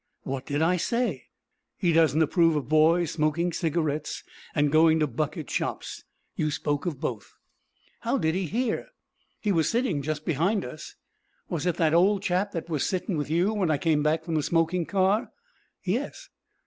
"What did I say?" "He doesn't approve of boys smoking cigarettes and going to bucket shops. You spoke of both." "How did he hear?" "He was sitting just behind us." "Was it that old chap that was sittin' with you when I came back from the smoking car?" "Yes."